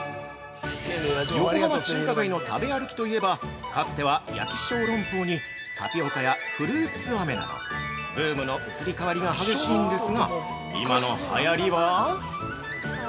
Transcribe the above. ◆横浜中華街の食べ歩きといえばかつては焼き小籠包に、タピオカやフルーツ飴など、ブームの移り変わりが激しいんですが、今の流行りは？